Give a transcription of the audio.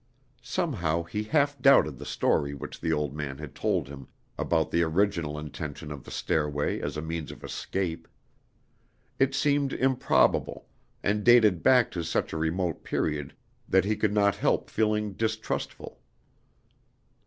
Somehow he half doubted the story which the old man had told him about the original intention of the stairway as a means of escape. It seemed improbable, and dated back to such a remote period that he could not help feeling distrustful.